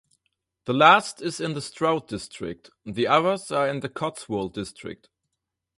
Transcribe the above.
The last is in the Stroud district; the others are in the Cotswold district.